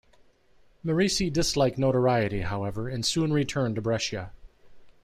Merici disliked notoriety, however, and soon returned to Brescia.